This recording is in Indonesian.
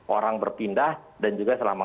orang berpindah dan juga selama